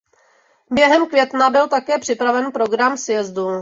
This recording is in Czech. Během května byl také připraven program sjezdu.